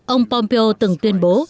ông pompeo từng tuyên bố